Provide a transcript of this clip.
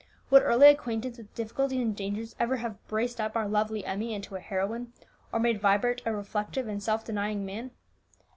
Would early acquaintance with difficulties and dangers ever have braced up our lovely Emmie into a heroine, or made Vibert a reflective and self denying man?